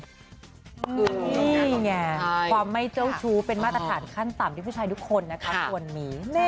คือนี่ไงความไม่เจ้าชู้เป็นมาตรฐานขั้นต่ำที่ผู้ชายทุกคนนะคะควรมี